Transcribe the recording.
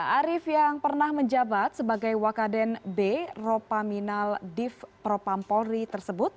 arief yang pernah menjabat sebagai wakaden b ropaminal div propam polri tersebut